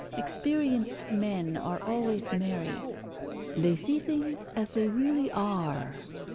Experienced men are always merry. They see things as they really are.